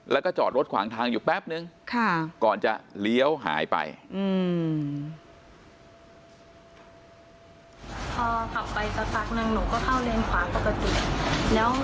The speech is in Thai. แล้วก็จอดรถขวางทางอยู่แป๊บนึงก่อนจะเลี้ยวหายไปอืม